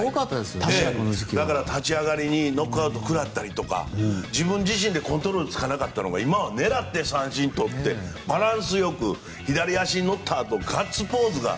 立ち上がりにノックアウト食らったりとか自分自身でコントロールつかなかったのに今は狙って三振を取って三振を取って、バランスよく左足に乗ったあとガッツポーズが。